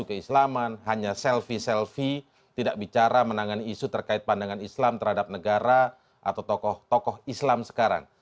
pak romi adalah seorang perempuan islam hanya selfie selfie tidak bicara menangani isu terkait pandangan islam terhadap negara atau tokoh tokoh islam sekarang